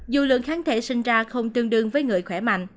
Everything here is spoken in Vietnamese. dù lượng kháng thể sinh ra không tương đương với người khỏe mạnh